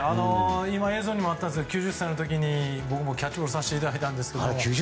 今、映像にもありましたが９０歳の時に僕もキャッチボールをさせていただいたんですが。